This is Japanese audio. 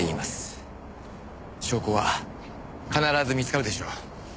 証拠は必ず見つかるでしょう。